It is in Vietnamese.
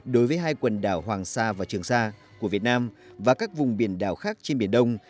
đối với hai quần đảo hoàng sa và trường sa của việt nam và các vùng biển đảo khác trên biển đông